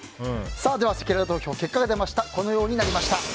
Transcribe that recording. ではせきらら投票の結果このようになりました。